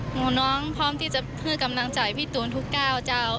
น้องพร้อมที่จะพืชกำลังใจพี่ตูนทุกก้าวเจ้า